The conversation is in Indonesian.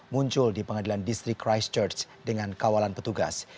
muncul di pengadilan distrik christchurch dengan kawalan petugas